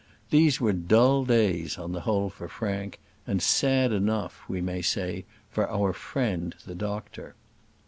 These were dull days on the whole for Frank; and sad enough, we may say, for our friend the doctor.